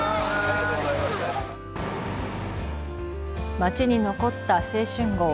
町に残った青春号。